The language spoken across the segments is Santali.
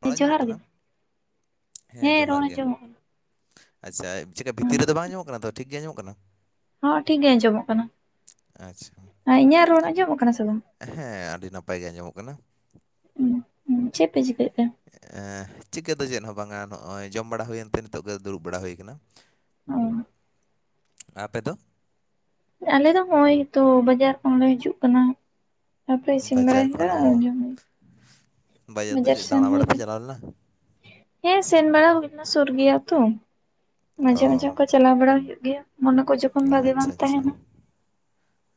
ᱵᱟᱝ ᱦᱮᱸ ᱟᱡᱚᱢᱚ ᱡᱚᱦᱟᱨ ᱠᱟᱱᱟ ᱜᱮ ᱦᱮᱸ ᱡᱚᱦᱟᱨ ᱨᱚᱲ ᱜᱮ ᱟᱸᱡᱚᱢᱚᱜ ᱠᱟᱱᱟ ᱾ ᱟᱪᱷᱟ ᱪᱤᱠᱟᱹ ᱦᱩᱸ ᱵᱷᱤᱛᱤᱨ ᱨᱮᱫᱚ ᱵᱟᱝ ᱧᱟᱢᱚᱜ ᱠᱟᱱᱟ ᱛᱚ ᱴᱷᱤᱠ ᱜᱮ ᱧᱟᱢᱚᱜ ᱠᱟᱱᱟ ᱾ ᱦᱚᱸ ᱴᱷᱤᱠ ᱜᱮ ᱟᱸᱡᱚᱢᱚᱜ ᱠᱟᱱᱟ ᱟᱪᱪᱷᱟ ᱤᱧᱟᱹᱜ ᱨᱚᱲ ᱟᱸᱡᱚᱢᱚᱜ ᱠᱟᱱᱟ ᱥᱮ ᱵᱟᱝ? ᱦᱮᱸ ᱟᱹᱰᱤ ᱱᱟᱯᱟᱭ ᱜᱮ ᱟᱸᱡᱚᱢᱚᱜ ᱠᱟᱱᱟ ᱾ ᱦᱩᱸ ᱦᱩᱸ ᱪᱮᱫ ᱯᱮ ᱪᱤᱠᱟᱹᱭᱮᱛᱮ ᱪᱤᱠᱟᱹ ᱫᱚ ᱪᱮᱫ ᱦᱚᱸ ᱵᱟᱝᱟ ᱱᱚᱜᱼᱚᱭ ᱡᱚᱢ ᱵᱟᱲᱟ ᱦᱩᱭᱮᱱᱛᱮ ᱱᱤᱛᱚᱜ ᱜᱮ ᱫᱩᱲᱩᱵ ᱵᱟᱲᱟ ᱦᱩᱭ ᱠᱟᱱᱟ ᱚ ᱾ ᱟᱯᱮ ᱫᱚ ᱟᱞᱮ ᱫᱚ ᱦᱚᱜ ᱚᱭ ᱛᱚ ᱵᱟᱡᱟᱨ ᱠᱷᱚᱱᱞᱮ ᱦᱤᱡᱩᱜ ᱠᱟᱱᱟ ᱾ ᱛᱯᱮ ᱥᱤᱢᱨᱟ ᱵᱟᱡᱟᱨ ᱠᱷᱚᱱ ᱦᱼᱟᱚᱢ ᱚ [unintelligible] ᱫᱚ ᱵᱟᱡᱟᱨ ᱪᱮᱫ ᱥᱮᱱ ᱫᱟᱬᱟ ᱦᱩᱭ ᱵᱟᱲᱟ ᱯᱮ ᱞᱮᱱᱟ ᱪᱟᱞᱟᱣ ᱦᱮᱸ ᱥᱮᱱ ᱵᱟᱲᱟ ᱦᱩᱭ ᱾ ᱚᱱᱟ ᱥᱩᱨ ᱜᱮᱭᱟ ᱛᱚ ᱢᱟᱡᱷᱮ ᱢᱟᱡᱷᱮ ᱚ ᱚᱱᱠᱟ ᱪᱟᱞᱟᱣ ᱵᱟᱲᱟ ᱦᱩᱭᱩᱜ ᱜᱮᱭᱟ ᱢᱚᱱᱮ ᱠᱚ ᱡᱚ ᱵᱷᱟᱜᱮ ᱵᱟᱝᱟᱱ ᱛᱟᱦᱮᱱᱟ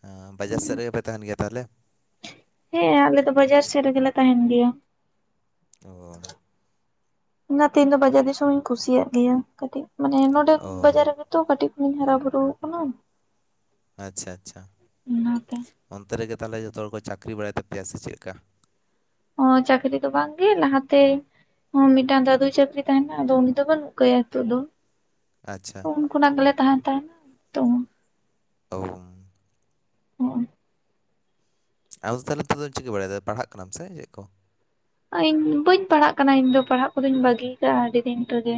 ᱮᱸ ᱵᱟᱡᱟᱨ ᱥᱮᱫ ᱨᱮᱜᱮ ᱯᱮ ᱛᱟᱦᱮᱱ ᱜᱮᱭᱟ ᱛᱟᱦᱞᱮ ᱾ ᱦᱮᱸ ᱟᱞᱮ ᱫᱚ ᱵᱟᱡᱟᱨ ᱥᱮᱫ ᱨᱮᱜᱮᱞᱮ ᱛᱟᱦᱮᱱ ᱜᱮᱭᱟ ᱾ ᱚ ᱚᱱᱟᱛᱮ ᱤᱧ ᱫᱚ ᱵᱟᱡᱟᱨ ᱫᱤᱥᱚᱢᱤᱧ ᱠᱩᱥᱤᱭᱟᱜ ᱜᱮᱭᱟ ᱠᱟᱹᱴᱤᱡ ᱢᱟᱱᱮ ᱱᱚᱸᱰᱮ ᱚ ᱵᱟᱡᱟᱨ ᱨᱮ ᱛᱚ ᱠᱟᱹᱴᱤᱡ ᱠᱷᱚᱱᱤᱧ ᱦᱟᱨᱟ ᱵᱩᱨᱩ ᱠᱟᱱᱟ ᱾ ᱟᱪᱷᱟ ᱟᱪᱷᱟ ᱚᱱᱟᱛᱮ ᱚᱱᱛᱮ ᱨᱮ ᱡᱮ ᱛᱟᱦᱚᱞᱮ ᱡᱚᱛᱚ ᱦᱚᱲ ᱠᱚ ᱪᱟᱹᱠᱨᱤ ᱵᱟᱲᱟᱭ ᱛᱟᱯᱮᱭᱟ ᱥᱮ ᱪᱮᱫᱞᱮᱠᱟ ᱾ ᱚ ᱪᱟᱹᱠᱨᱤ ᱫᱚ ᱵᱟᱝᱜᱮ ᱞᱟᱦᱟᱛᱮ ᱦᱚᱸ ᱢᱤᱫᱴᱟᱝ ᱫᱟᱫᱩ ᱪᱟᱹᱠᱨᱤ ᱛᱟᱦᱮᱱᱟ ᱟᱫᱚ ᱩᱱᱤ ᱫᱚ ᱵᱟᱹᱱᱩᱜᱠᱟᱭᱟ ᱱᱤᱛᱚᱜ ᱫᱚ ᱟᱪᱷᱟ ᱾ ᱠᱷᱚᱱᱟᱜ ᱜᱮᱞᱮ ᱛᱟᱦᱮᱱ ᱛᱟᱦᱮᱸᱱᱟ ᱛᱚ ᱚᱢ [inaudible] ᱟᱫᱚ ᱛᱟᱦᱚᱞᱮ ᱱᱤᱛᱚᱜ ᱫᱚ ᱪᱤᱠᱟᱹ ᱵᱟᱲᱟᱭᱮᱫᱟ ᱯᱟᱲᱦᱟᱜ ᱠᱟᱱᱟᱢ ᱥᱮ ᱪᱮᱫ ᱠᱚ ᱤᱧ ᱵᱟᱹᱧ ᱯᱟᱲᱦᱟᱜ ᱠᱟᱱᱟ ᱤᱧ ᱫᱚ ᱯᱟᱲᱦᱟᱜ ᱠᱚᱫᱚᱧ ᱵᱟᱹᱜᱤ ᱠᱟᱜ-ᱟ ᱟᱹᱰᱤ ᱫᱤᱱ ᱨᱮᱜᱮ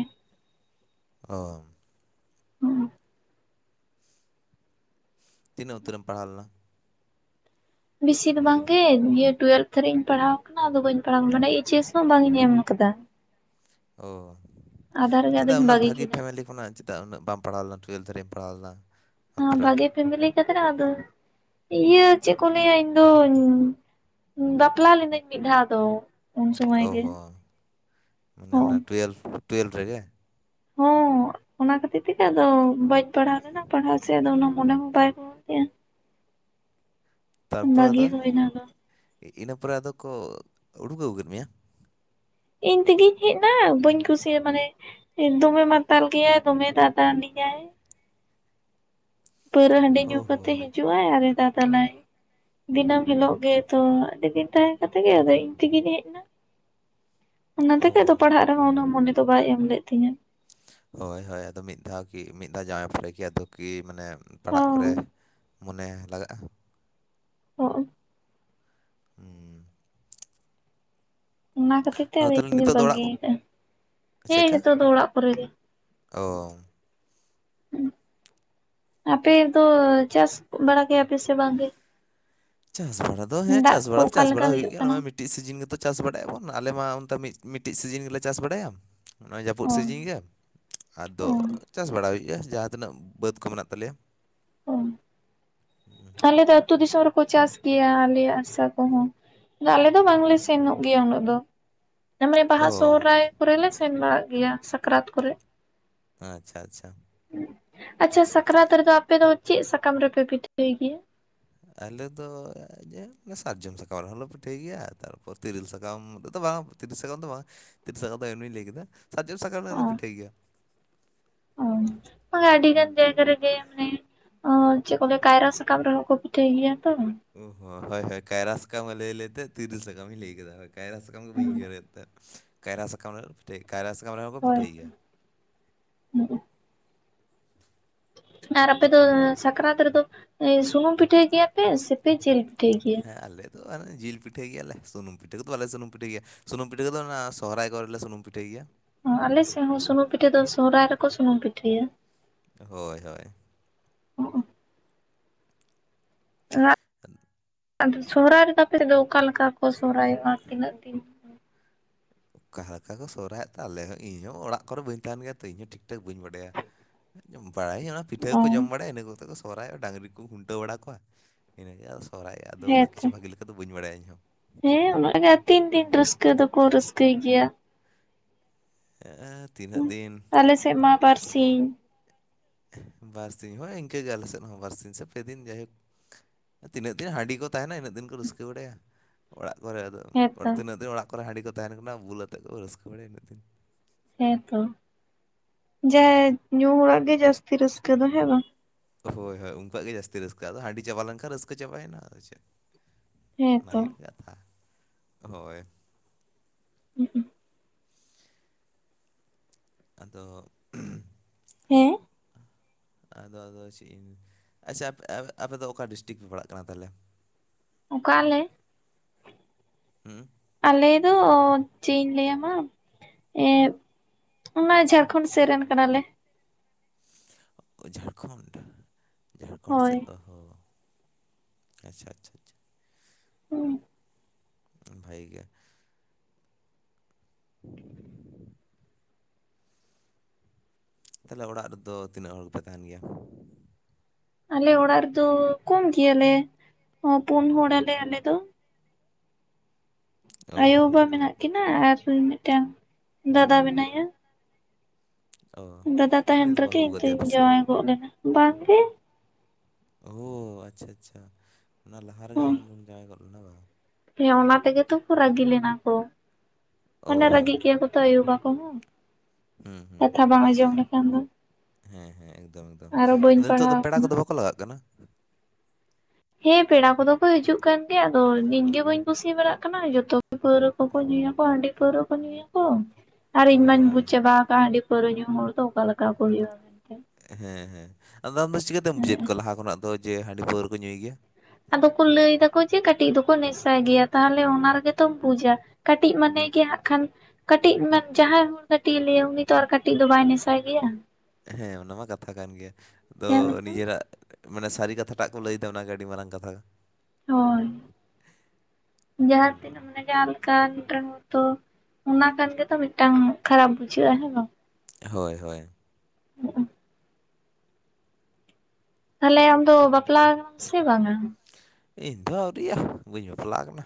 ᱚᱸ [inaudible] ᱦᱩᱸ ᱛᱤᱱᱟᱹᱜ ᱩᱛᱟᱹᱨᱮᱢ ᱯᱟᱲᱦᱟᱣ ᱞᱮᱱᱟ ᱾ ᱵᱮᱥᱤ ᱫᱚ ᱵᱟᱝᱜᱮ ᱱᱤᱭᱟᱹ ᱴᱩᱭᱮᱞᱵᱷ ᱫᱷᱟᱹᱨ ᱨᱮᱤᱧ ᱯᱟᱲᱦᱟᱣ ᱟᱠᱟᱱᱟ ᱟᱫᱚ ᱵᱟᱹᱧ ᱯᱟᱲᱦᱟᱣ ᱟᱠᱟᱱᱟ ᱢᱟᱱᱮ ᱮᱤᱪ ᱮᱥ ᱦᱚᱸ ᱵᱟᱝ ᱤᱧ ᱮᱢ ᱟᱠᱟᱫᱟ ᱾ ᱚ ᱟᱫᱷᱟ ᱨᱮᱜᱮ ᱪᱮᱫᱟᱜ ᱟᱫᱚᱧ ᱩᱱᱟᱹᱜ ᱵᱟᱹᱜᱤ ᱵᱷᱟᱹᱜᱤ ᱠᱮᱫᱟ ᱯᱷᱮᱢᱮᱞᱤ ᱾ ᱚᱱᱟ ᱪᱮᱫᱟᱜ ᱩᱱᱟᱹᱜ ᱵᱟᱢ ᱯᱟᱲᱟᱣᱱᱟ ᱴᱩᱭᱮᱞᱵᱷ ᱫᱷᱟᱨᱤᱢ ᱮᱢ ᱯᱟᱲᱟᱣ ᱞᱮᱱᱟ ᱾ ᱦᱚᱸ ᱵᱷᱟᱜᱤ ᱯᱷᱮᱢᱞᱤ ᱠᱟᱛ ᱨᱮ ᱫᱚ ᱾ ᱤᱭᱟᱹ ᱪᱮᱫ ᱠᱚ ᱞᱟᱹᱭᱟ ᱤᱧᱫᱚᱧ ᱵᱟᱯᱞᱟ ᱞᱤᱱᱟᱹᱧ ᱢᱤᱫ ᱫᱷᱟᱣ ᱫᱚ ᱩᱱ ᱥᱚᱢᱚᱭ ᱚ ᱜᱮ ᱦᱚᱸ ᱢᱟᱱᱮ ᱦᱚᱸ ᱚᱱᱟ ᱴᱩᱭᱮᱞᱵᱷ ᱴᱩᱭᱮᱞᱵᱷ ᱨᱮᱜᱮ ᱦᱚᱸ ᱚᱱᱟ ᱠᱷᱟᱹᱛᱤᱨ ᱛᱮᱜᱮ ᱟᱫᱚ ᱵᱟᱹᱧ ᱯᱟᱲᱦᱟᱣ ᱞᱮᱱᱟ ᱯᱟᱲᱦᱟᱣ ᱥᱮᱫ ᱟᱫᱚ ᱚᱱᱟ ᱚᱱᱟ ᱦᱚᱸ ᱵᱟᱭ ᱠᱚ [unintelligible] ᱛᱟᱨᱯᱚᱨ ᱵᱟᱹᱜᱤ ᱟᱫᱚ ᱦᱩᱭᱱᱟ ᱟᱫᱚ ᱤᱱᱟᱹ ᱯᱚᱨᱮ ᱟᱫᱚ ᱠᱚ ᱩᱰᱩᱠ ᱟᱹᱜᱩ ᱠᱮᱫ ᱢᱮᱭᱟ ᱾ ᱤᱧ ᱛᱮᱜᱮᱧ ᱦᱮᱡ ᱮᱱᱟ ᱵᱟᱹᱧ ᱠᱩᱥᱤᱭᱟᱜᱼᱟ ᱢᱟᱱᱮ ᱫᱚᱢᱮ ᱢᱟᱛᱟᱞ ᱜᱮᱭᱟᱭ ᱫᱚᱢᱮᱭ ᱫᱟᱫᱟᱞᱤᱧᱟᱭ ᱯᱟᱹᱣᱨᱟᱹ ᱦᱟᱺᱰᱤ ᱚ ᱧᱩ ᱠᱟᱛᱮ ᱦᱚᱸ ᱦᱤᱡᱩᱜ ᱦᱤᱡᱩᱜ ᱟᱭ ᱟᱨ ᱫᱟᱫᱟᱞᱟᱭ ᱫᱤᱱᱟᱹᱢ ᱦᱤᱞᱳᱜ ᱜᱮ ᱛᱚ ᱟᱹᱰᱤ ᱫᱤᱱ ᱛᱟᱭ ᱠᱟᱛᱮ ᱜᱮ ᱟᱫᱚ ᱤᱧ ᱛᱮᱜᱤᱧ ᱦᱮᱡ ᱮᱱᱟ ᱚᱱᱟ ᱚ ᱛᱮᱜ ᱫᱚ ᱯᱟᱲᱦᱟᱜ ᱨᱮᱦᱚᱸ ᱩᱱᱟᱹᱜ ᱢᱚᱱᱮ ᱫᱚ ᱵᱟᱭ ᱮᱢ ᱞᱮᱫ ᱛᱤᱧᱟᱹ ᱾ ᱦᱳᱭ ᱦᱳᱭ ᱟᱫᱚ ᱢᱤᱫ ᱫᱷᱟᱣ ᱠᱤ ᱢᱤᱫ ᱫᱷᱟᱣ ᱡᱟᱶᱟᱭ ᱯᱚᱨᱮ ᱠᱤ ᱟᱫᱚ ᱠᱤ ᱢᱟᱱᱮ ᱯᱟᱲᱦᱟᱜ ᱠᱚᱨᱮ ᱦᱚᱸ ᱢᱚᱱᱮ ᱞᱟᱜᱟᱜᱼᱟ᱾ ᱦᱚᱸ᱾ ᱦᱩᱸᱻ ᱚᱱᱟ ᱠᱷᱟᱹᱛᱤᱨ ᱛᱮ ᱟᱫᱚ ᱛᱟᱦᱚᱞᱮ ᱤᱧᱫᱚᱩᱧ ᱱᱤᱛᱚᱜ ᱫᱚ ᱚᱲᱟᱜ ᱠᱚ ᱵᱟᱹᱜᱤᱭ ᱠᱟᱜᱼᱟ ᱦᱮᱸ ᱱᱤᱛᱚᱜ ᱫᱚ ᱚᱲᱟᱜ ᱠᱚᱨᱮ ᱜᱮ᱾ ᱚᱝ ᱟᱯᱮ ᱫᱚ ᱪᱟᱥ ᱵᱟᱲᱟ ᱠᱮᱭᱟᱯᱮ ᱥᱮ ᱵᱟᱝ ᱜᱮ? ᱪᱟᱥ ᱵᱟᱷᱟᱲᱟ ᱫᱚ ᱦᱮᱸ ᱪᱟᱥ ᱠᱚ ᱵᱟᱷᱟᱲᱟ ᱫᱚ ᱪᱟᱥ ᱚᱠᱟᱞᱮᱠᱟ ᱵᱟᱲᱟ ᱦᱩᱭᱩᱜ ᱜᱮᱭᱟ ᱠᱟᱱᱟ? ᱱᱚᱜᱼᱚᱭ ᱢᱤᱫᱴᱤᱡ ᱥᱤᱡᱤᱱ ᱜᱮᱛᱚ ᱪᱟᱥ ᱵᱟᱲᱟᱭᱟᱵᱚᱱ ᱟᱞᱮ ᱢᱟ ᱚᱱᱛᱮ ᱢᱤᱫ ᱢᱤᱫᱴᱤᱡ ᱥᱤᱡᱤᱱ ᱜᱮᱞᱮ ᱪᱟᱥ ᱵᱟᱲᱟᱭᱟ᱾ ᱱᱚᱜᱚᱭ ᱡᱟᱹᱯᱩᱫ ᱚ ᱥᱤᱡᱤᱱ ᱜᱮ ᱟᱫᱚ ᱚ ᱪᱟᱥ ᱵᱟᱲᱟ ᱦᱩᱭᱩᱜᱼᱟ ᱡᱟᱦᱟᱸ ᱛᱤᱱᱟᱹᱜ ᱵᱟᱹᱫᱽ ᱠᱚ ᱢᱮᱱᱟᱜ ᱛᱟᱞᱮᱭᱟ᱾ ᱚ ᱦᱩᱸ᱾ ᱟᱞᱮ ᱫᱚ ᱟᱹᱛᱩ ᱫᱤᱥᱚᱢ ᱨᱮᱠᱚ ᱪᱟᱥ ᱜᱮᱭᱟ ᱟᱞᱮᱭᱟᱜ ᱦᱟᱥᱟ ᱠᱚᱦᱚᱸ᱾ ᱟᱞᱮ ᱫᱚ ᱵᱟᱝᱞᱮ ᱥᱮᱱᱚᱜ ᱜᱮᱭᱟ ᱩᱱᱟᱹᱜ ᱫᱚ᱾ ᱢᱟᱱᱮ ᱚ ᱵᱟᱦᱟ ᱥᱚᱦᱨᱟᱭ ᱠᱚᱨᱮᱞᱮ ᱥᱮᱱ ᱵᱟᱲᱟᱜ ᱜᱮᱭᱟ ᱥᱟᱠᱨᱟᱛ ᱠᱚᱨᱮ ᱟᱪᱪᱷᱟ ᱪᱷᱟ᱾ ᱟᱪᱪᱷᱟ ᱥᱟᱠᱨᱟᱛ ᱨᱮᱫᱚ ᱟᱯᱮ ᱫᱚ ᱪᱮᱫ ᱥᱟᱠᱟᱢ ᱨᱮᱯᱮ ᱯᱤᱴᱷᱟᱹᱭ ᱜᱤᱭᱟ? ᱟᱞᱮ ᱫᱚ ᱡᱮ ᱥᱟᱨᱡᱚᱢ ᱥᱟᱠᱟᱢ ᱨᱮᱦᱚᱸᱞᱮ ᱯᱤᱴᱷᱟᱹᱭ ᱜᱮᱭᱟ ᱛᱟᱨᱯᱚᱨ ᱛᱮᱨᱮᱞ ᱥᱟᱠᱟᱢ ᱨᱮᱫᱚ ᱵᱟᱝ᱾ ᱛᱤᱨᱤᱞ ᱥᱟᱠᱟᱢ ᱫᱚ ᱵᱟᱝ ᱛᱤᱨᱤ ᱥᱟᱠᱟᱢ ᱫᱚ ᱮᱢᱱᱤᱧ ᱞᱟᱹᱭ ᱠᱮᱫᱟ ᱥᱟᱨᱡᱚᱢ ᱥᱟᱠᱟᱢ ᱨᱮᱞᱮ ᱯᱤᱴᱷᱟᱹᱭ ᱜᱮᱭᱟ᱾ ᱚᱸ ᱟᱹᱰᱤ ᱜᱟᱱ ᱡᱟᱭᱜᱟ ᱨᱮ ᱜᱮ ᱢᱟᱱᱮ ᱚ ᱪᱮᱜ ᱠᱚ ᱞᱟᱹᱭᱟ ᱠᱟᱭᱨᱟ ᱥᱟᱠᱟᱢ ᱨᱮ ᱞᱚ ᱯᱤᱴᱟᱹᱭ ᱜᱮᱭᱟ ᱛᱚ᱾ ᱚ ᱦᱚᱸ ᱦᱳᱭ ᱦᱳᱭ ᱠᱟᱭᱨᱟ ᱥᱟᱠᱟᱢ ᱞᱟᱹᱭ ᱞᱟᱹᱭᱛᱮ ᱛᱤᱨᱤᱨ ᱥᱟᱠᱟᱢᱤᱧ ᱞᱟᱹᱭ ᱠᱟᱫᱟ᱾ ᱠᱟᱭᱨᱟ ᱥᱟᱠᱟᱢ ᱜᱮ ᱵᱟᱹᱧ ᱩᱭᱦᱟᱹᱨᱮᱫ ᱛᱟᱸᱦᱮᱫ ᱠᱟᱭᱨᱟ ᱥᱟᱠᱟᱢ ᱨᱮ ᱯᱤᱴᱷᱟᱹ ᱠᱟᱭᱨᱟ ᱥᱟᱠᱟᱢᱦᱚᱸᱠᱚ ᱦᱳᱭ ᱯᱤᱴᱷᱟᱹᱭ ᱜᱮᱭᱟ᱾ [inaudible] ᱟᱨ ᱟᱯᱮ ᱫᱚ ᱥᱟᱠᱨᱟᱛ ᱨᱮᱫᱚ ᱥᱩᱱᱩᱢ ᱯᱤᱴᱷᱟᱹ ᱜᱮᱭᱟᱯᱮ ᱥᱮᱯᱮ ᱡᱤᱞ ᱯᱤᱴᱷᱟᱹᱭ ᱜᱮᱭᱟ? ᱦᱮ ᱟᱞᱮ ᱫᱚ ᱟᱨ ᱡᱤᱞ ᱯᱤᱴᱷᱟᱹ ᱜᱮᱭᱟ ᱞᱮ ᱥᱩᱱᱩᱢ ᱯᱤᱴᱷᱟᱹ ᱠᱚᱫᱚ ᱵᱟᱞᱮ ᱥᱩᱱᱩᱢ ᱯᱤᱴᱷᱟᱹ ᱜᱮᱭᱟ ᱥᱩᱱᱩᱢ ᱯᱤᱴᱷᱟᱹ ᱫᱚ ᱚᱱᱟ ᱥᱚᱨᱟᱭ ᱠᱚᱨᱮᱞᱮ ᱥᱩᱱᱩ ᱯᱩᱴᱷᱟᱹᱭ ᱜᱮᱭᱟ᱾ ᱟᱞᱮ ᱥᱮᱫ ᱦᱚᱸ ᱥᱩᱱᱩᱢ ᱯᱤᱴᱷᱟᱹ ᱫᱚ ᱥᱚᱦᱨᱟᱭ ᱨᱮᱠᱚ ᱥᱩᱱᱩᱢ ᱯᱤᱴᱷᱟᱹᱭᱟ᱾ ᱦᱳᱭ ᱦᱳᱭ᱾ [inaudible] ᱟᱫᱚ ᱥᱚᱦᱨᱟᱭ ᱨᱮᱫᱚ ᱟᱯᱮ ᱥᱮᱫ ᱫᱚ ᱚᱠᱟ ᱞᱮᱠᱟ ᱠᱚ ᱥᱚᱦᱨᱟᱭᱚᱜᱼᱟ ᱛᱤᱱᱟᱹᱜ ᱫᱤᱱ? ᱚᱠᱟ ᱞᱮᱠᱟ ᱠᱚ ᱥᱚᱦᱨᱟᱭᱮᱫ ᱛᱚ ᱟᱞᱮ ᱦᱚᱸ ᱤᱧ ᱦᱚᱸ ᱚᱲᱟᱜ ᱠᱚᱨᱮᱜ ᱵᱟᱹᱧ ᱛᱟᱦᱮᱱ ᱜᱮᱭᱟ ᱛᱚ ᱤᱧᱦᱚᱸ ᱴᱷᱤᱠ ᱴᱷᱟᱠ ᱵᱟᱹᱧ ᱵᱟᱰᱟᱭᱟ᱾ ᱵᱟᱲᱟᱭ ᱤᱧ ᱚᱱᱟ ᱚ ᱯᱤᱴᱷᱟᱹᱠᱚ ᱡᱚᱢ ᱵᱟᱲᱟᱭᱟ ᱤᱱᱟᱹ ᱠᱚᱛᱮ ᱠᱚ ᱥᱚᱨᱦᱟᱭᱚᱜ ᱰᱟᱝᱨᱤ ᱠᱚ ᱠᱷᱩᱱᱴᱟᱹᱣ ᱵᱟᱲᱟ ᱠᱚᱣᱟ ᱤᱱᱟᱹᱜᱮ ᱥᱚᱨᱦᱟᱭᱚᱜᱼᱟ ᱟᱫᱚ ᱩᱱᱟᱹᱜ ᱠᱤᱷᱩ ᱦᱮᱸᱛᱚ ᱵᱷᱜᱮ ᱞᱮᱠᱟ ᱫᱚ ᱵᱟᱹᱧ ᱵᱟᱲᱟᱭᱟ ᱤᱧ ᱦᱚᱸ᱾ ᱦᱮᱸ ᱩᱱᱟᱜ-ᱜᱮ ᱛᱤᱱ ᱫᱤᱱ ᱨᱟᱹᱥᱠᱟᱹ ᱫᱚᱠᱚ ᱨᱟᱹᱥᱠᱟᱹᱭ ᱜᱮᱭᱟ? ᱮᱸᱻ ᱟᱞᱮ ᱥᱮᱫ ᱢᱟ ᱵᱟᱨ ᱥᱤᱧ᱾ ᱵᱟᱨ ᱥᱤᱧ ᱦᱮᱸ ᱤᱱᱠᱟᱹᱜ ᱜᱮ ᱟᱞᱮ ᱥᱮᱫ ᱦᱚᱸ ᱵᱟᱨᱥᱤᱧ ᱥᱮ ᱯᱮ ᱫᱤᱱ ᱡᱟᱭᱦᱳᱠ᱾ ᱛᱤᱱᱟᱹᱜ ᱫᱤᱱ ᱦᱟᱺᱰᱤ ᱠᱚ ᱛᱟᱦᱮᱱᱟ ᱤᱱᱟᱹᱜ ᱫᱤᱱ ᱠᱚ ᱨᱟᱹᱥᱠᱟᱹ ᱵᱟᱲᱟᱭᱟ ᱚᱲᱟᱜ ᱠᱚᱨᱮ, ᱟᱫᱚ ᱯᱚᱨ ᱦᱮᱸᱛᱚ ᱛᱤᱱᱟᱹᱜ ᱫᱤᱱ ᱚᱲᱟᱜ ᱠᱚᱨᱮ ᱦᱟᱺᱰᱤ ᱠᱚ ᱛᱟᱦᱮᱱ ᱠᱟᱱᱟ ᱵᱞ ᱟᱛᱮ ᱠᱚ ᱨᱟᱹᱥᱠᱟᱹ ᱵᱟᱲᱟᱭᱟ ᱩᱱᱟᱹᱜ ᱫᱤᱱ᱾ ᱦᱮᱸᱛᱚ ᱡᱟᱭ ᱧᱩ ᱦᱚᱲᱟᱜ ᱜᱮ ᱡᱟᱹᱥᱛᱤ ᱨᱟᱹᱥᱠᱟᱹ ᱫᱚ ᱦᱮᱸ ᱵᱟᱝ? ᱦᱳᱭ ᱦᱳᱭ ᱩᱱᱠᱣᱟᱜ ᱜᱮ ᱡᱟᱹᱥᱛᱤ ᱨᱟᱹᱥᱠᱟᱹᱜ ᱟᱫᱚᱺᱰᱤ ᱪᱟᱵᱟᱣ ᱞᱮᱱᱠᱷᱟᱱ ᱨᱟᱹᱥᱠᱟᱹ ᱪᱟᱵᱮᱱᱟ ᱟᱫᱚ ᱪᱮᱫ᱾ ᱚᱱᱟ ᱦᱮᱸᱛᱚ ᱦᱩᱭᱩᱜ ᱠᱟᱛᱷᱟ ᱦᱳᱭ᱾ ᱦᱩᱸ ᱩᱸ᱾ ᱟᱫᱚ [unintelligible] ᱦᱮᱸ? ᱟᱫᱚ ᱟᱫᱚ ᱪᱮᱫ ᱤᱧ ᱟᱪᱪᱷᱟ ᱟᱯᱮ ᱟ ᱟᱯᱮ ᱫᱚ ᱚᱠᱟ ᱰᱤᱥᱴᱤᱠ ᱯᱮ ᱯᱟᱲᱟᱜ ᱠᱟᱱᱟ ᱛᱟᱦᱚᱞᱮ? ᱚᱠᱟ ᱟᱞᱮ? [inaudible] ᱦᱮᱸ ᱟᱞᱮ ᱫᱚ ᱪᱮᱫ ᱤᱧ ᱞᱟᱹᱭᱟᱢᱟ ᱮᱸᱜ ᱚᱱᱟ ᱡᱷᱟᱲᱠᱷᱚᱸᱰ ᱥᱮᱫ ᱨᱮᱱ ᱠᱟᱱᱟᱞᱮ᱾ ᱡᱷᱟᱲᱠᱷᱚᱸᱰ, ᱡᱷᱟᱲᱠᱷᱚᱸᱰ ᱥᱮᱫ ᱦᱳᱭ ᱫᱚ ᱦᱚᱸ ᱟᱪᱪᱷᱟ ᱟᱪᱷᱟ ᱟᱪᱪᱷᱟ ᱦᱩᱸ ᱵᱷᱟᱜᱤ ᱜᱮᱭᱟ [inaudible] ᱛᱟᱞᱦᱮ ᱚᱲᱟᱜ ᱨᱮᱫᱚ ᱛᱤᱱᱟᱹᱜ ᱦᱚᱲ ᱜᱮᱯᱮ ᱛᱟᱦᱮᱱ ᱜᱮᱭᱟ ᱟᱞᱮ ᱚᱲᱟᱜ ᱨᱮᱫᱚ ᱠᱚᱢ ᱜᱮᱭᱟᱞᱮ ᱮᱸ ᱯᱩᱱ ᱦᱚᱲᱟᱞᱮ ᱟᱞᱮ ᱫᱚ ᱟᱭᱳ ᱚ ᱵᱟᱵᱟ ᱢᱮᱱᱟᱜ ᱠᱤᱱᱟᱹ ᱟᱨ ᱢᱤᱫᱴᱮᱱ ᱫᱟᱫᱟ ᱢᱮᱱᱟᱭᱟ ᱚ ᱫᱟᱫᱟ ᱩᱱᱤ ᱛᱟᱦᱮᱱ ᱫᱚ ᱨᱮᱜᱮ ᱵᱟᱹᱦᱩ ᱤᱧ ᱫᱩᱧ ᱟᱠᱟᱫᱮᱭᱟ ᱯᱮᱥᱮ ᱵᱟᱝ ᱡᱟᱶᱟᱭ ᱜᱚᱫ ᱞᱮᱱᱟ ᱵᱟᱝᱜᱮ ᱚ ᱟᱪᱪᱷᱟ ᱟᱪᱪᱷᱟ ᱚᱱᱟ ᱞᱟᱦᱟ ᱨᱮᱜᱮ ᱦᱩᱸ ᱟᱢᱫᱚᱢ ᱡᱟᱶᱟᱭ ᱜᱚᱫ ᱞᱮᱱᱟ ᱵᱟᱝ ᱦᱮᱸ ᱚᱱᱟ ᱛᱮᱜᱮ ᱛᱚ ᱠᱚ ᱨᱟᱹᱜᱤ ᱞᱮᱱᱟ ᱠᱚ, ᱚ ᱢᱟᱱᱮ ᱨᱟᱹᱜᱤᱜ ᱜᱮᱭᱟ ᱠᱚ ᱛᱚ ᱟᱭᱩ ᱵᱟᱵᱟ ᱠᱚᱦᱚᱸ ᱦᱩᱸ ᱦᱩᱸ ᱠᱟᱛᱷᱟ ᱵᱟᱝ ᱟᱸᱡᱚᱢ ᱞᱮᱠᱷᱟᱱ ᱫᱚ ᱦᱮᱸ ᱦᱮᱸ ᱮᱠᱫᱚᱢ ᱮᱠᱫᱚᱢ ᱟᱨᱚ ᱵᱟᱹᱧ ᱟᱫᱚ ᱱᱤᱛᱚᱜ ᱯᱟᱲᱦᱟᱣ ᱫᱚ ᱯᱮᱲᱟ ᱟᱠᱟᱱᱟ ᱠᱚᱫᱚ ᱵᱟᱠᱚ ᱞᱟᱜᱟᱜ ᱠᱟᱱᱟ ᱦᱮᱸ ᱯᱮᱲᱟ ᱠᱚᱫᱚ ᱠᱚ ᱦᱤᱡᱩᱜ ᱠᱟᱱ ᱜᱮᱭᱟ ᱟᱫᱚ ᱤᱧ ᱜᱮ ᱵᱟᱹᱧ ᱠᱩᱥᱤ ᱵᱟᱲᱟᱜ ᱠᱟᱱᱟ ᱡᱚᱛᱚ ᱯᱟᱹᱣᱨᱟᱹ ᱠᱚ ᱠᱚ ᱧᱩᱭᱟᱠᱚ ᱦᱟᱺᱰᱤ ᱯᱟᱹᱣᱨᱟᱹ ᱠᱚ ᱧᱩᱭᱟᱠᱚ ᱟᱨ ᱤᱧ ᱚ ᱢᱟᱧ ᱵᱩᱡᱽ ᱦᱚᱸ ᱪᱟᱵᱟ ᱟᱠᱫᱼᱟ ᱦᱟᱺᱰᱤ ᱯᱟᱹᱣᱨᱟᱹ ᱧᱩ ᱦᱚᱲ ᱫᱚ ᱚᱠᱟ ᱞᱮᱠᱟᱠᱟ ᱠᱚ ᱦᱩᱭᱩᱜ-ᱟ ᱦᱮᱸ ᱦᱮᱸ ᱟᱫᱚ ᱟᱢᱫᱚ ᱪᱤᱠᱟᱹᱛᱮᱢ ᱵᱩᱡᱮᱫ ᱦᱮᱸ ᱠᱚᱣᱟ ᱞᱟᱦᱟ ᱠᱷᱚᱱᱟᱜ ᱫᱚ ᱡᱮ ᱦᱟᱺᱰᱤ ᱯᱟᱹᱣᱨᱟᱹ ᱠᱚ ᱧᱩᱭ ᱜᱮᱭᱟ ᱟᱫᱚ ᱠᱚ ᱞᱟᱹᱭ ᱫᱟᱠᱚ ᱡᱮ ᱠᱟᱹᱴᱤᱡ ᱫᱚᱠᱚ ᱱᱮᱥᱟ ᱜᱮᱭᱟ ᱛᱟᱦᱞᱮ ᱚᱱᱟ ᱨᱮᱜᱮᱛᱚᱢ ᱵᱩᱡᱟ ᱠᱟᱹᱴᱤᱡ ᱢᱟᱱᱮ ᱜᱮ ᱦᱟᱸᱜ ᱠᱷᱟᱱ ᱠᱟᱹᱴᱤᱡ ᱢᱟᱱᱮ ᱡᱟᱦᱟᱸᱭ ᱦᱚᱲ ᱠᱟᱹᱴᱤᱡ ᱮ ᱞᱟᱹᱭᱟ ᱩᱱᱤ ᱛᱚ ᱟᱨ ᱠᱟᱹᱴᱤᱡ ᱫᱚ ᱵᱟᱭ ᱱᱮᱥᱟ ᱜᱮᱭᱟ ᱦᱮᱸ ᱚᱱᱟ ᱢᱟ ᱠᱟᱛᱷᱟ ᱠᱟᱱ ᱜᱮᱭᱟ ᱟᱫᱚ ᱱᱤᱡᱮᱨᱟᱜ ᱢᱟᱱᱮ ᱥᱟᱹᱨᱤ ᱠᱟᱛᱷᱟ ᱴᱟᱜ ᱠᱚ ᱞᱟᱹᱭᱮᱫᱟ ᱚᱱᱟᱜᱮ ᱟᱹᱰᱤ ᱢᱟᱨᱟᱝ ᱠᱟᱛᱷᱟ ᱦᱳᱭ ᱡᱟᱦᱟᱸ ᱦᱩᱸ ᱛᱤᱱᱟᱹᱜ ᱢᱟᱱᱮ ᱡᱟᱶᱟᱭ ᱞᱮ ᱠᱟᱲᱟ ᱜᱤᱫᱽᱨᱟᱹ ᱦᱚᱸ ᱛᱚ ᱚᱱᱟ ᱠᱟᱱ ᱜᱮᱛᱚ ᱢᱤᱫᱴᱟᱝ ᱠᱷᱟᱨᱟᱯ ᱵᱩᱡᱷᱟᱹᱜ-ᱟ ᱦᱮᱸ ᱵᱟᱝ ᱦᱳᱭ ᱦᱳᱭ ᱦᱩᱸᱜ-ᱩ ᱛᱟᱦᱞᱮ ᱟᱢ ᱫᱚ ᱵᱟᱯᱞᱟᱣ ᱟᱠᱟᱱᱟᱢ ᱥᱮ ᱵᱟᱝᱟ ᱤᱧ ᱫᱚ ᱟᱹᱣᱨᱤᱭᱟ ᱵᱟᱹᱧ ᱵᱟᱯᱞᱟ ᱠᱟᱱᱟ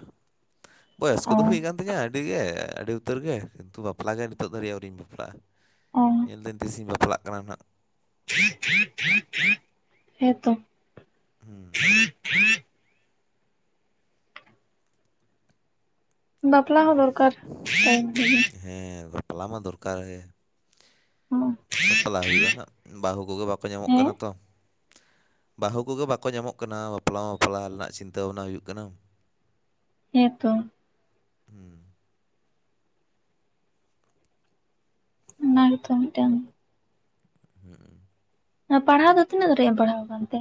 ᱵᱚᱭᱚᱥ ᱚ ᱠᱚᱫᱚ ᱦᱩᱭ ᱠᱟᱱ ᱛᱤᱧᱟᱹ ᱟᱹᱰᱤᱜᱮ ᱟᱹᱰᱤ ᱩᱛᱟᱹᱨ ᱜᱮ ᱠᱤᱱᱛᱩ ᱵᱟᱯᱞᱟ ᱜᱮ ᱱᱤᱛᱚᱜ ᱫᱷᱟᱹᱨᱤᱡ ᱟᱹᱣᱨᱤᱧ ᱵᱟᱯᱞᱟᱜ-ᱟ ᱚ ᱧᱮᱞᱫᱟᱹᱧ ᱛᱤᱥᱤᱧ ᱵᱟᱯᱞᱟᱜ ᱠᱟᱱᱟ ᱱᱟᱜ [inaudible] ᱦᱮᱸᱛᱚ ᱦᱩᱸ ᱵᱟᱯᱞᱟ ᱦᱚᱸ ᱫᱚᱨᱠᱟᱨ ᱴᱟᱭᱤᱢ ᱨᱮᱜᱮ ᱦᱮᱸ ᱵᱟᱯᱞᱟ ᱢᱟ ᱫᱚᱨᱠᱟᱨ ᱜᱮ ᱵᱟᱯᱞᱟᱜ ᱦᱩᱭᱩᱜ-ᱟ ᱱᱟᱜ ᱵᱟᱦᱩ ᱠᱚᱜᱮ ᱵᱟᱠᱚ ᱧᱟᱢᱚᱜ ᱦᱮᱸ ᱠᱟᱱᱟ ᱛᱚ ᱵᱟᱦᱩ ᱠᱚᱜᱮ ᱵᱟᱠᱚ ᱧᱟᱢᱚᱜ ᱠᱟᱱᱟ ᱵᱟᱯᱞᱟ ᱢᱟ ᱵᱟᱯᱞᱟ ᱨᱮᱱᱟᱜ ᱪᱤᱱᱛᱟᱹ ᱵᱷᱟᱱᱟᱭ ᱦᱩᱭᱩᱜ ᱠᱟᱱᱟ ᱦᱮᱸᱛᱚ ᱦᱩᱸ ᱚᱱᱟ ᱜᱮᱛᱚ ᱢᱤᱫᱴᱮᱱ ᱦᱩᱸᱜ-ᱩ ᱟᱨ ᱯᱟᱲᱦᱟᱣ ᱫᱚ ᱛᱤᱱᱟᱹᱜ ᱫᱷᱟᱨᱤᱡ ᱮᱢ ᱯᱟᱲᱦᱟᱣ ᱠᱟᱱ ᱛᱮ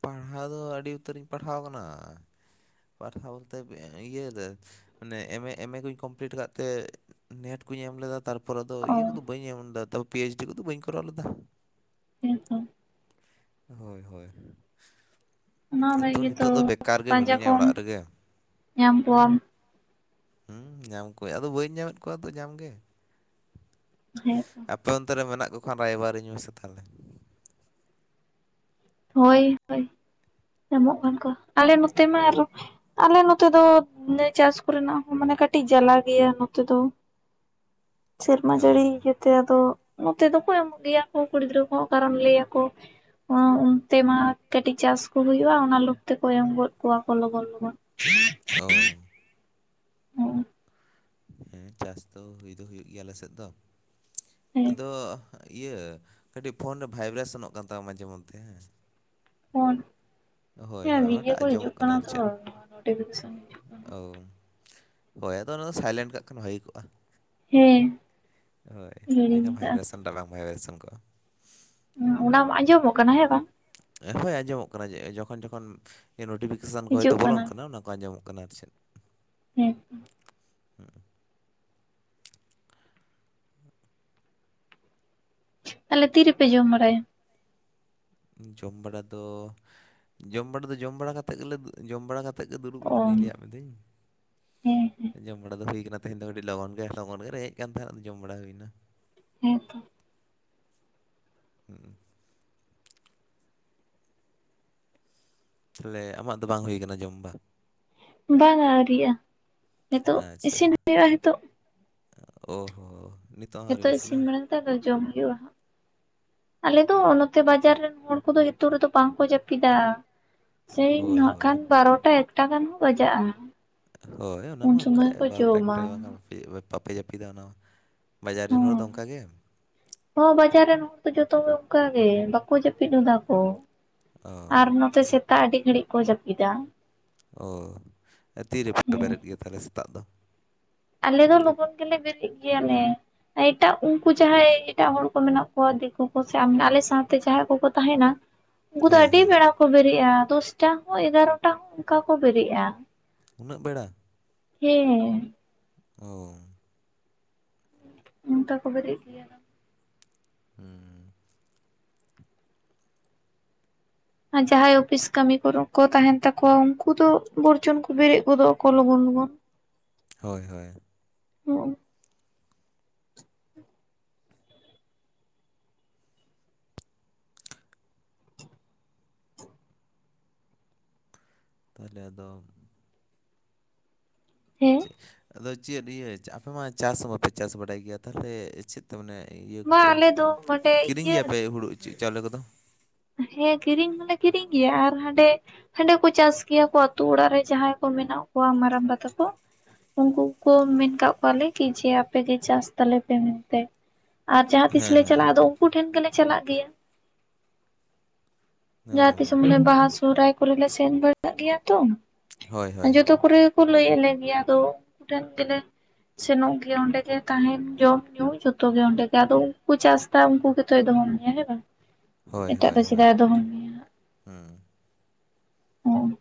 ᱯᱟᱲᱦᱟᱣ ᱫᱚ ᱟᱹᱰᱤ ᱩᱛᱟᱹᱨᱤᱧ ᱯᱟᱲᱦᱟᱣ ᱠᱟᱱᱟ ᱯᱟᱲᱦᱟᱣ ᱵᱚᱞᱛᱮ ᱤᱭᱟᱹ ᱨᱮ ᱢᱟᱱᱮ ᱮᱢ ᱮ ᱮᱢ ᱮ ᱠᱚᱧ ᱠᱚᱢᱯᱤᱞᱤᱴ ᱠᱟᱜ ᱛᱮ ᱱᱮᱴ ᱠᱩᱧ ᱮᱢ ᱞᱮᱫᱟ ᱛᱟᱨ ᱯᱚᱨ ᱟᱫᱚ ᱚ ᱤᱭᱟᱹ ᱠᱚᱫᱚ ᱵᱟᱹᱧ ᱮᱢ ᱞᱮᱫᱟ ᱛᱚ ᱯᱤ ᱮᱪᱰᱤ ᱠᱚᱫᱚ ᱵᱟᱹᱧ ᱠᱚᱨᱟᱣ ᱞᱮᱫᱟ ᱦᱮᱸ ᱛᱚ ᱦᱳᱭ ᱦᱳᱭ ᱚᱱᱟ ᱛᱟᱹᱣ ᱨᱮᱜᱮ ᱛᱚ ᱱᱤᱛᱚᱜ ᱫᱚ ᱵᱮᱠᱟᱨ ᱜᱮ ᱯᱟᱸᱡᱟ ᱢᱤᱱᱟᱹᱧᱟ ᱠᱚᱢ ᱚᱲᱟᱜ ᱨᱮᱜᱮ ᱧᱟᱢ ᱠᱚᱣᱟᱢ ᱦᱩᱸ ᱧᱟᱢ ᱠᱚᱣᱟᱹᱧ ᱟᱫᱚ ᱵᱟᱹᱧ ᱧᱟᱢᱮᱫ ᱠᱚᱣᱟ ᱛᱚ ᱧᱟᱢ ᱜᱮ ᱦᱮᱸ ᱛᱚ ᱯᱮ ᱚᱱᱛᱮ ᱨᱮ ᱢᱮᱱᱟᱜ ᱠᱚ ᱠᱷᱟᱱ ᱨᱟᱭᱵᱟᱨᱤᱧ ᱢᱮᱥᱮ ᱛᱟᱦᱚᱞᱮ᱾ ᱦᱳᱭ ᱦᱳᱭ ᱧᱟᱢᱚᱜ ᱠᱟᱱ ᱠᱚ ᱟᱞᱮ ᱱᱚᱛᱮ ᱢᱟ ᱟᱨ ᱟᱞᱮ ᱱᱚᱛᱮ ᱫᱚ ᱪᱟᱥ ᱠᱚᱨᱮᱱᱟᱜ ᱦᱚᱸ ᱢᱟᱱᱮ ᱠᱟᱹᱴᱤᱡ ᱡᱟᱞᱟ ᱜᱮᱭᱟ ᱱᱚᱛᱮ ᱫᱚ᱾ ᱥᱮᱨᱢᱟ ᱡᱟᱹᱲᱤ ᱚ ᱜᱮ ᱛᱮ ᱟᱫᱚ ᱱᱚᱛᱮ ᱫᱚᱠᱚ ᱮᱢᱚᱜ ᱜᱮᱭᱟ ᱠᱚ ᱠᱩᱲᱤ ᱜᱤᱫᱽᱨᱟᱹ ᱠᱚ ᱠᱟᱨᱚᱱ ᱞᱟᱹᱭ ᱟᱠᱚ ᱩᱸ ᱩᱸ ᱛᱮᱢᱟ ᱠᱮᱴᱤᱡ ᱪᱟᱥ ᱠᱚ ᱦᱳᱭᱳᱜᱼᱟ ᱚᱱᱟ ᱞᱳᱵᱷ ᱛᱮᱠᱚ ᱮᱢ ᱜᱚᱫ ᱠᱚᱣᱟ ᱠᱚ ᱞᱚᱜᱚᱱ ᱞᱚᱜᱚᱱ᱾ ᱳ [unintelligible] ᱦᱮᱸ ᱪᱟᱥ ᱫᱚ ᱦᱳᱭ ᱫᱚ ᱦᱳᱭᱳᱜ ᱜᱮᱭᱟ ᱟᱞᱮ ᱥᱮᱫ ᱫᱚ᱾ ᱦᱩᱸ ᱟᱫᱚ ᱤᱭᱟᱹ ᱠᱟᱹᱴᱤᱜ ᱯᱷᱳᱱ ᱨᱮ ᱵᱷᱟᱭᱵᱨᱮᱥᱚᱱᱚᱜ ᱠᱟᱱ ᱛᱟᱢᱟ ᱢᱟᱡᱷᱮ ᱢᱚᱫᱽᱫᱷᱮ᱾ ᱦᱳᱭ ᱦᱮᱸ ᱦᱳᱭ ᱵᱷᱤᱰᱤᱭᱳ ᱚᱱᱟᱴᱟᱜ ᱠᱚᱞ ᱦᱤᱡᱩᱜ ᱠᱟᱱᱟ ᱛᱚ ᱱᱚᱴᱤᱯᱷᱤᱠᱮᱥᱚᱱ᱾ ᱳ ᱟᱫᱚ ᱚᱱᱟᱫᱚ ᱥᱟᱭᱞᱮᱱᱴ ᱠᱟᱜ ᱠᱷᱟᱱ ᱵᱷᱟᱜᱮ ᱠᱚᱜᱼᱟ᱾ ᱦᱮᱸ ᱦᱳᱭ ᱦᱤᱲᱤᱧ ᱮᱠᱷᱟᱱ ᱠᱟᱜᱼᱟ ᱵᱷᱟᱭᱵᱨᱮᱥᱚᱱ ᱫᱚ ᱵᱟᱝ ᱵᱷᱟᱭᱵᱨᱮᱥᱚᱱ ᱠᱚᱜᱼᱟ᱾ ᱦᱩᱸ ᱚᱱᱟ ᱟᱸᱡᱚᱢᱚᱜ ᱠᱟᱱᱟ ᱦᱮᱸ ᱵᱟᱝ᱾ ᱦᱳᱭ ᱟᱸᱡᱚᱢᱚᱜ ᱠᱟᱱᱟ ᱡᱚᱠᱷᱚᱱ ᱡᱚᱠᱷᱚᱱ ᱱᱳᱴᱤᱯᱷᱤᱠᱮᱥᱚᱱ ᱠᱚ ᱵᱚᱞᱚᱱ ᱠᱟᱱᱟ ᱚᱱᱟ ᱟᱸᱡᱚᱢᱚᱜ ᱠᱟᱱᱟ ᱟᱨ ᱪᱮᱫ᱾ ᱦᱩᱸ ᱦᱩᱸᱜ ᱩᱸ ᱛᱟᱦᱞᱮ ᱛᱤᱨᱮᱯᱮ ᱡᱚᱢ ᱵᱟᱲᱟᱭᱟ? ᱡᱚᱢ ᱵᱟᱲᱟ ᱫᱚ ᱡᱚᱢ ᱵᱟᱲᱟ ᱫᱚ ᱡᱚᱢ ᱵᱟᱲᱟ ᱠᱟᱛᱮᱫ ᱜᱮᱞᱮ ᱡᱚᱢ ᱵᱟᱲᱟ ᱠᱟᱛ ᱛᱮ ᱜᱮ ᱫᱩᱲᱩᱵ ᱚ ᱦᱩᱭ ᱱᱟ ᱞᱟᱹᱭᱟᱫ ᱢᱮ ᱫᱟᱹᱧ ᱦᱮᱸ ᱦᱮᱸ ᱡᱚᱢ ᱵᱟᱲᱟ ᱫᱚ ᱦᱩᱭ ᱟᱠᱟᱱᱟ᱾ ᱛᱮᱦᱮᱱ ᱫᱚ ᱠᱟᱹᱴᱤᱡ ᱞᱚᱜᱚᱱ ᱜᱮ ᱞᱚᱜᱚᱱ ᱜᱮ ᱞᱮ ᱦᱮᱡ ᱠᱟᱱ ᱛᱟᱦᱮᱱᱟ ᱡᱚᱢ ᱵᱟᱲᱟ ᱦᱳᱭᱱᱟ᱾ ᱦᱮᱸ ᱛᱚ᱾ ᱦᱩᱸᱜ ᱩᱸ ᱛᱟᱦᱚᱞᱮ ᱟᱢᱟᱜ ᱫᱚ ᱵᱟᱝ ᱦᱳᱭ ᱠᱟᱱᱟ ᱡᱚᱢ ᱵᱟᱝ? ᱵᱟᱝᱟ ᱟᱹᱣᱨᱤᱜᱼᱟ ᱦᱤᱛᱚᱜ ᱟᱪᱪᱷᱟ ᱤᱥᱤᱱ ᱦᱳᱭᱳᱜᱼᱟ ᱦᱤᱛᱚᱜ᱾ ᱳ ᱦᱳ ᱱᱤᱛᱚᱜ ᱦᱚᱸ ᱟᱹᱣᱨᱤᱢ ᱦᱤᱛᱳᱜ ᱤᱥᱤᱱᱟ ᱤᱥᱤᱱ ᱵᱟᱲᱟ [unintelligible] ᱡᱚᱢ ᱦᱳᱭᱳᱜᱼᱟ ᱦᱟᱜ ᱟᱞᱮ ᱫᱚ ᱱᱚᱛᱮ ᱵᱟᱡᱟᱨ ᱨᱮᱱ ᱦᱚᱲ ᱠᱚᱫᱚ ᱦᱤᱛᱳᱜ ᱨᱮᱫᱚ ᱵᱟᱝᱠᱚ ᱡᱟᱹᱯ ᱯᱤᱫᱟ ᱥᱮᱭ ᱦᱳᱭ ᱦᱟᱜ ᱦᱳᱭ ᱠᱷᱟᱱ ᱵᱟᱨᱚᱴᱟ ᱮᱠᱴᱟ ᱜᱟᱱ ᱦᱚᱸ ᱵᱟᱡᱟᱜᱼᱟ᱾ ᱦᱳᱭ ᱚᱱᱟ ᱩᱱ ᱢᱟ ᱚᱱᱠᱟ ᱥᱚᱢᱚᱭ ᱠᱚ ᱵᱟᱨᱚ ᱴᱟ ᱡᱚᱢᱟ᱾ ᱮᱠᱴᱟ ᱵᱟᱝᱠᱷᱟᱱ ᱵᱟᱯᱮ ᱡᱟᱹᱯᱤᱫᱟ ᱚᱱᱟ ᱢᱟ᱾ ᱵᱟᱡᱟᱨ ᱨᱮᱱ ᱦᱚᱲ ᱫᱚ ᱚᱱᱠᱟ ᱜᱮ? ᱦᱚᱸ ᱵᱟᱡᱟᱨ ᱨᱮᱱ ᱦᱚᱲᱛ ᱡᱚᱛᱚ ᱚᱝᱠᱟ ᱜᱮ ᱵᱟᱠᱚ ᱡᱟᱹᱯᱤᱫ ᱦᱚᱫᱟ ᱠᱚ᱾ ᱟᱨ ᱚ ᱱᱚᱛᱮ ᱥᱮᱛᱟᱜ ᱟᱹᱰᱤ ᱜᱷᱟᱹᱲᱤᱜ ᱠᱚ ᱡᱟᱹᱯᱤᱫᱟ᱾ ᱚ ᱛᱤᱨᱮ ᱯᱮ ᱦᱩᱸ ᱵᱮᱨᱮᱫ ᱜᱮ ᱛᱟᱦᱚᱞᱮ ᱥᱮᱛᱟᱜ ᱫᱚ? ᱟᱞᱮ ᱫᱚ ᱞᱚᱜᱚᱱ ᱜᱮᱞᱮ ᱵᱮᱨᱮᱫ ᱜᱮᱭᱟᱞᱮ᱾ ᱮᱴᱟᱜ ᱩᱝᱠᱩ ᱡᱟᱦᱟᱸᱭ ᱮᱴᱟᱜ ᱦᱚᱲ ᱠᱚ ᱢᱮᱱᱟᱜ ᱠᱚᱣᱟ ᱫᱤᱠᱩ ᱠᱚ ᱥᱮ ᱟᱞᱮ ᱥᱟᱶᱛᱮ ᱡᱟᱦᱟᱸᱭ ᱠᱚᱠᱚ ᱛᱟᱦᱮᱱᱟ᱾ ᱩᱝᱠᱩ ᱫᱚ ᱦᱮᱸ ᱟᱹᱰᱤ ᱦᱮᱸ ᱵᱮᱲᱟ ᱠᱚ ᱵᱮᱨᱮᱜᱼᱟ᱾ ᱫᱚᱥᱴᱟ ᱦᱚᱸ ᱮᱜᱟᱨᱚᱴᱟ ᱦᱚᱸ ᱚᱱᱠᱟ ᱠᱚ ᱵᱮᱨᱮᱜᱼᱟ᱾ ᱩᱱᱟᱹᱜ ᱵᱮᱲᱟ᱾ ᱦᱮᱸ ᱚ ᱚᱝᱠᱟ ᱠᱚ ᱵᱮᱨᱮᱜ ᱜᱮᱭᱟ ᱱᱟᱜ᱾ ᱦᱩᱸ ᱟᱨ ᱡᱟᱦᱟᱸᱭ ᱚᱯᱤᱥ ᱠᱟᱹᱢᱤ ᱠᱚᱨᱮ ᱠᱚ ᱛᱟᱦᱮᱱ ᱛᱟᱠᱚᱣᱟ ᱩᱝᱠᱩ ᱫᱚ ᱵᱚᱨᱡᱚᱱ ᱠᱚ ᱵᱮᱨᱮᱫ ᱜᱚᱫᱚᱜ ᱟᱠᱚ ᱞᱚᱜᱚᱱ ᱞᱚᱜᱚᱱ᱾ ᱦᱳᱭ ᱦᱳᱭ ᱦᱩ ᱛᱟᱦᱞᱮ ᱟᱫᱚᱢ ᱟ ᱦᱮᱸ ᱪᱮᱜ ᱟᱫᱚ ᱪᱮᱫ ᱤᱭᱟᱹ ᱟᱯᱮ ᱢᱟ ᱪᱟᱥ ᱦᱚᱸ ᱵᱟᱯᱮ ᱪᱟᱥ ᱵᱟᱲᱟᱭ ᱜᱮᱭᱟ ᱛᱟᱦᱞᱮ ᱪᱮᱫ ᱛᱟ ᱢᱟᱱᱮ ᱤᱭᱟᱹ ᱵᱟ ᱠᱚᱯᱮ ᱟᱞᱮ ᱫᱚ ᱚᱸᱰᱮ ᱠᱤᱨᱤᱧ ᱤᱭᱟᱹ ᱜᱮᱭᱟᱯᱮ ᱦᱩᱲᱩ ᱪᱟᱣᱞᱮ ᱠᱚᱫᱚ? ᱦᱮᱸ ᱠᱤᱨᱤᱧ ᱦᱚᱸᱞᱮ ᱠᱤᱨᱤᱧ ᱜᱮᱭᱟ ᱟᱨ ᱦᱟᱸᱰᱮ ᱦᱟᱸᱰᱮ ᱠᱚ ᱪᱟᱥ ᱜᱮᱭᱟ ᱠᱚ ᱟᱛᱩ ᱚᱲᱟᱜ ᱨᱮ᱾ ᱡᱟᱦᱟᱸᱭ ᱠᱚ ᱢᱮᱱᱟᱜ ᱠᱚᱣᱟ ᱢᱟᱨᱟᱝᱵᱟ ᱛᱟᱠᱚ ᱩᱝᱠᱩ ᱠᱚ ᱢᱮᱱ ᱠᱟᱜ ᱠᱚᱣᱟᱞᱮ᱾ ᱠᱤ ᱡᱮ ᱟᱯᱮ ᱜᱮ ᱪᱟᱥ ᱛᱟᱞᱮ ᱯᱮ ᱢᱮᱱᱛᱮ ᱟᱨ ᱡᱟᱦᱟᱸ ᱛᱤᱥ ᱦᱮᱸ ᱞᱮ ᱦᱮᱸ ᱪᱟᱞᱟᱜᱼᱟ ᱟᱫᱚ ᱩᱝᱠᱩ ᱴᱷᱮᱱ ᱜᱮᱞᱮ ᱪᱟᱞᱟᱜ ᱜᱮᱭᱟ᱾ ᱚ ᱡᱟᱦᱟᱸᱛᱤᱥ ᱢᱟᱱᱮ ᱵᱟᱦᱟ ᱥᱚᱦᱨᱟᱭ ᱠᱚᱨᱮᱞᱮ ᱥᱮᱱ ᱵᱟᱲᱟᱜ ᱜᱮᱭᱟ ᱛᱚ ᱦᱳᱭ ᱦᱳᱭ ᱡᱚᱛᱚ ᱠᱚᱨᱮ ᱠᱚ ᱞᱟᱹᱭᱟᱞᱮ ᱜᱮᱭᱟ ᱟᱫᱚ ᱩᱝᱠᱩ ᱴᱷᱮᱱ ᱜᱮᱞᱮ ᱥᱮᱱᱚᱜ ᱜᱮᱭᱟ ᱚᱸᱰᱮ ᱜᱮ ᱛᱟᱦᱮᱱ ᱡᱚᱢ ᱧᱩ ᱡᱚᱛᱚ ᱜᱮ ᱚᱸᱰᱮ ᱜᱮ ᱟᱫᱚ ᱩᱝᱠᱩ ᱪᱟᱥ ᱫᱟ ᱩᱝᱠᱩ ᱜᱮᱛᱚᱭ ᱫᱚᱦᱚ ᱢᱮᱭᱟ ᱦᱮᱸ ᱵᱟᱝ? ᱦᱳᱭ ᱮᱴᱟᱜ ᱦᱳᱭ ᱫᱚ ᱦᱳᱭ ᱪᱮᱫᱟᱜ ᱮ ᱫᱚᱦᱚ ᱢᱮᱭᱟ ᱦᱩᱸ ᱦᱚᱸ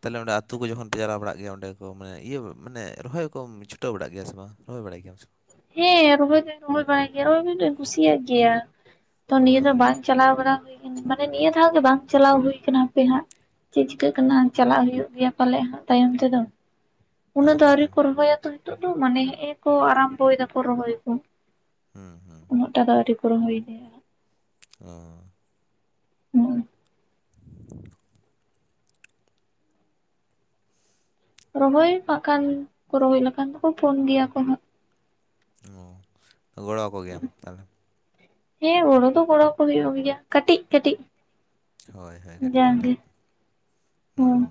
ᱛᱟᱞᱮ ᱚᱸᱰᱮ ᱟ ᱛᱩ ᱠᱚ ᱡᱚᱠᱷ ᱯᱮ ᱪᱟᱞᱟᱣ ᱵᱟᱲᱟᱜ ᱜᱮᱭᱟ ᱚᱸᱰᱮ ᱠᱚ ᱢᱟᱱ ᱤᱭᱟᱹ ᱢᱟᱱᱮ ᱨᱚᱦᱚᱭ ᱠᱚᱢ ᱪᱷᱩᱴᱟᱹᱣ ᱵᱟᱲᱟᱜ ᱜᱮᱭᱟ ᱥᱮ ᱵᱟᱝ ᱨᱚᱦᱚᱭ ᱵᱟᱲᱟᱭ ᱜᱮᱭᱟᱢ ᱥᱮ ᱵᱟᱝ? ᱦᱮᱸ ᱨᱚᱦᱚᱭ ᱫᱚᱧ ᱨᱚᱦᱚᱭ ᱵᱟᱲᱟᱭ ᱜᱮᱭᱟ ᱨᱚᱦᱚᱭ ᱫᱚᱧ ᱠᱩᱥᱤᱭᱟᱜ ᱜᱮᱭᱟ ᱛᱚ ᱚ ᱱᱤᱭᱟᱹ ᱫᱚ ᱵᱟᱝ ᱪᱟᱞᱟᱣ ᱵᱟᱲᱟ ᱦᱩᱭ ᱠᱟᱱ ᱢᱟᱱᱮ ᱱᱤᱭᱟᱹ ᱫᱷᱟᱣ ᱜᱮ ᱵᱟᱝ ᱪᱟᱞᱟᱣ ᱦᱩᱭᱠᱟᱱᱟ ᱟᱯᱮ ᱦᱟᱸᱜ᱾ ᱪᱮᱜ ᱪᱤᱠᱟᱹᱜ ᱠᱟᱱᱟ ᱪᱟᱞᱟᱜ ᱦᱩᱭᱩᱜ ᱜᱮᱭᱟ ᱯᱟᱞᱮᱜ ᱦᱟᱸᱷ ᱛᱟᱭᱚᱢ ᱛᱮᱫᱚ᱾ ᱩᱱᱟᱹᱜ ᱫᱟ ᱟᱪᱪᱷᱟ ᱟᱹᱣᱨᱤ ᱠᱚ ᱨᱚᱦᱚᱭᱟ ᱛᱚ ᱱᱤᱛᱚᱜ ᱫᱚ ᱢᱟᱱᱮ ᱦᱮᱸ ᱮ ᱠᱚ ᱟᱨᱟᱢᱵᱚᱭ ᱫᱟᱠᱚ ᱨᱚᱦᱚᱭᱠᱚ᱾ ᱦᱩᱸ ᱦᱩᱸ ᱩᱱᱟᱹᱜ ᱴᱟ ᱫᱚ ᱟᱹᱣᱨᱤ ᱠᱚ ᱨᱚᱦᱚᱭ ᱤᱫᱤᱭᱟ᱾ ᱚᱻ ᱦᱩᱸ [inaudible] ᱨᱚᱦᱚᱭ ᱱᱟᱜᱠᱷᱟᱱ ᱠᱚ ᱨᱚᱦᱚᱭ ᱞᱮᱠᱷᱟᱱ ᱫᱚᱠᱚ ᱯᱷᱳᱱ ᱜᱮᱭᱟ ᱠᱚ ᱦᱟᱸᱜ᱾ ᱚ ᱛᱚ ᱜᱚᱲᱚᱣ ᱟᱠᱚᱜᱮᱭᱟᱢ ᱛᱟᱦᱞᱮ? ᱦᱮᱸ ᱜᱚᱲᱚ ᱫᱚ ᱜᱚᱲᱚᱣ ᱠᱚ ᱦᱩᱭᱩᱜ ᱜᱮᱭᱟ ᱠᱟᱹᱴᱤᱡ ᱠᱟᱹᱴᱤᱡ᱾ ᱦᱳᱭ ᱦᱳᱭ ᱠᱟᱹᱴᱤᱡ ᱡᱟᱜᱮ ᱠᱟᱹᱴᱤᱡ᱾ ᱦᱩᱸ